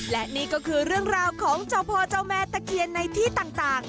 และนี่ก็คือเรื่องราวของเจ้าพ่อเจ้าแม่ตะเคียนในที่ต่าง